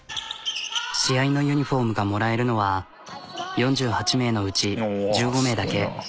試合のユニフォームがもらえるのは４８名のうち１５名だけ。